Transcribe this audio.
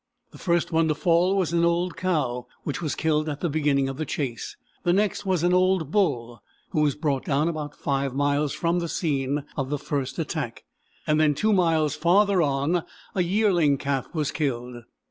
The first one to fall was an old cow, which was killed at the beginning of the chase, the next was an old bull, who was brought down about 5 miles from the scene of the first attack, then 2 miles farther on a yearling calf was killed.